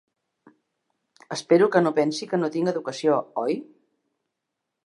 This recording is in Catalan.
Espero que no pensi que no tinc educació, oi?